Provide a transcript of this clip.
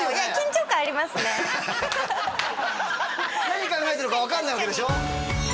何考えてるか分かんないわけでしょ